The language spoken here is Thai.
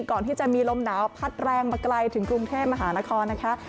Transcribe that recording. ก่อนที่จะมีลมหนาวพัดแรงมาไกลถึงกรุงเทพมหานครนะคะ